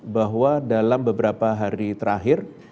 bahwa dalam beberapa hari terakhir